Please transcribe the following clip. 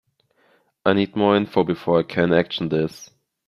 I need more info before I can action this.